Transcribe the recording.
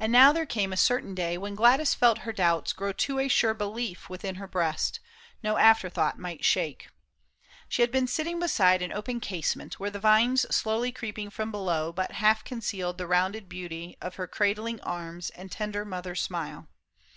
And now there came A certain day when Gladys felt her doubts Grow to a sure belief within her breast, No after thought might shake. She had been sittinj Beside an open casement where the vines Slow creeping from below but half concealed The rounded beauty of her cradling arms And tender mother smile.